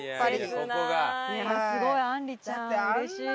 すごいあんりちゃん嬉しい。